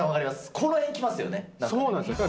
この辺きますよね、なんか。